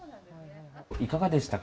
いかがでしたか？